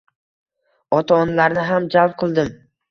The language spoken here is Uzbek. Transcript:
Ota-onalarni ham jalb qildim.